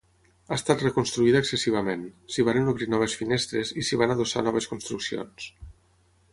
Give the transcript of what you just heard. Ha estat reconstruïda excessivament, s'hi varen obrir noves finestres i s'hi van adossar noves construccions.